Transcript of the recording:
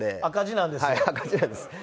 赤字なんです。